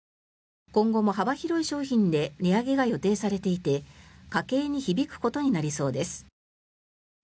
今後も幅広い商品で値上げが予定されていて家計に響くことになりそうです。